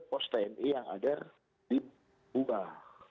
dari sana mereka ke pos tni yang ada di buah